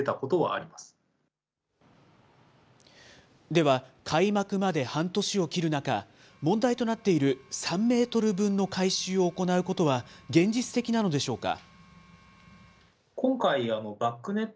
では、開幕まで半年を切る中、問題となっている３メートル分の改修を行うことは、現実的なのでしょうか。